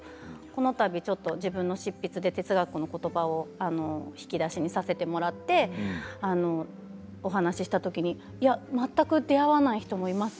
このたび自分の執筆で哲学のことばを引き出しにさせてもらってお話ししたときに全く出会わない人もいます